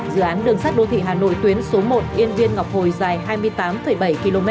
dự án đường sắt đô thị hà nội tuyến số một yên viên ngọc hồi dài hai mươi tám bảy km